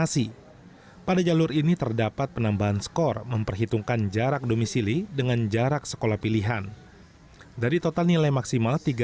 smp kota bekasi